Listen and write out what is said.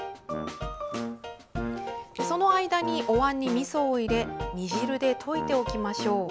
その間に、おわんにみそを入れ煮汁で溶いておきましょう。